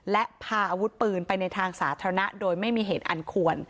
และพาอาวุธปืนไปในทางสาธารณะโดยไม่มีเหตุอันควร